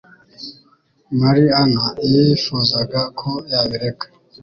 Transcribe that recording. Mary Ann yifuzaga ko yabireka